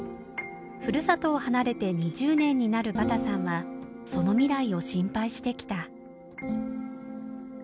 ふるさとを離れて２０年になるバタさんはその未来を心配してきた。